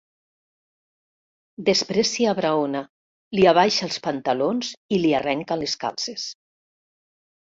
Després s'hi abraona, li abaixa els pantalons i li arrenca les calces.